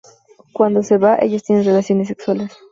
Cuando se va, ellos tienen relaciones sexuales.